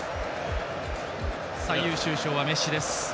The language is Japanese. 最優秀賞はメッシです。